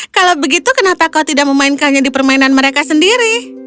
kalau begitu kenapa kau tidak memainkannya di permainan mereka sendiri